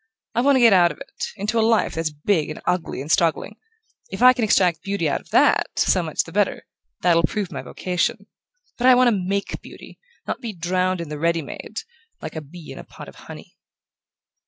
I want to get out of it, into a life that's big and ugly and struggling. If I can extract beauty out of THAT, so much the better: that'll prove my vocation. But I want to MAKE beauty, not be drowned in the ready made, like a bee in a pot of honey."